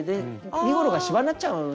身ごろがしわになっちゃうんですね。